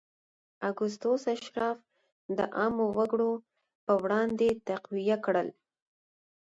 اګوستوس اشراف د عامو وګړو پر وړاندې تقویه کړل.